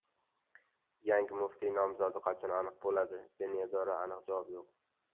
Yangi muftiy nomzodi qachon aniq bo‘ladi? – Diniy idorada aniq javob yo‘q